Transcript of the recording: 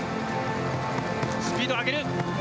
スピードを上げる。